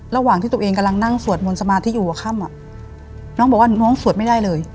ระหว่างที่ตัวเองกำลังนั่งสวดมนต์สมาธิอยู่หัวค่ำน้องบอกว่าน้องสวดไม่ได้เลย